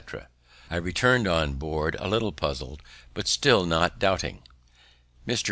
I returned on board a little puzzled, but still not doubting. Mr.